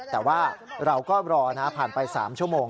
แต่ว่าเราก็รอนะผ่านไป๓ชั่วโมง